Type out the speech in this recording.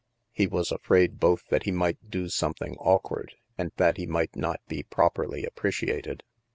He was afraid both that he might do something awkward, and that he might not be properly appreciated.